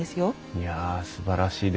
いやすばらしいです。